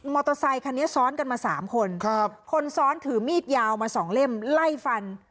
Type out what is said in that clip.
อเตอร์ไซคันนี้ซ้อนกันมาสามคนครับคนซ้อนถือมีดยาวมาสองเล่มไล่ฟัน